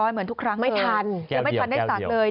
เหมือนทุกครั้งไม่ทันยังไม่ทันได้สั่งเลยแก้วเดียวแก้วเดียว